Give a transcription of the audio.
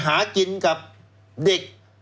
หากินกับเด็ก